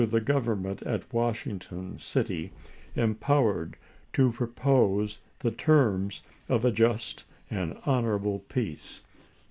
j5£n'" the Government at Washington City, empowered to propose the terms of a just and honorable peace."